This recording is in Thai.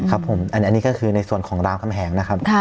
อันนี้ก็คือในส่วนของรามคำแหง